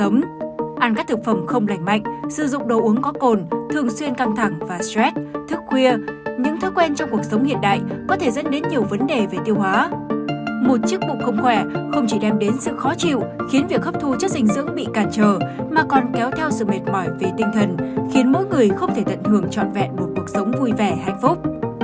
một chiếc bụng không khỏe không chỉ đem đến sự khó chịu khiến việc hấp thu chất dinh dưỡng bị cản trở mà còn kéo theo sự mệt mỏi về tinh thần khiến mỗi người không thể tận thường trọn vẹn một cuộc sống vui vẻ hạnh phúc